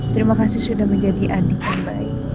terima kasih sudah menjadi adik yang baik